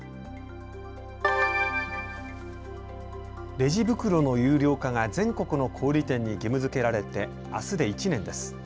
レジ袋の有料化が全国の小売店に義務づけられて、あすで１年です。